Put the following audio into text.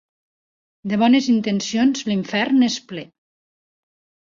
De bones intencions, l'infern n'és ple.